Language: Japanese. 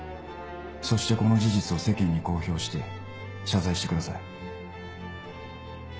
そしてこの事実を世間に公表して謝罪してください。